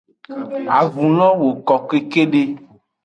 Avun lo woko kekede.